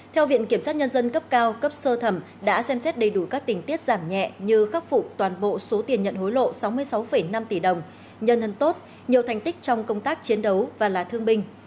theo viện kiểm sát nhân dân cấp cao cấp sơ thẩm đã xem xét đầy đủ các tình tiết giảm nhẹ như khắc phục toàn bộ số tiền nhận hối lộ sáu mươi sáu năm tỷ đồng nhân thân tốt nhiều thành tích trong công tác chiến đấu và là thương binh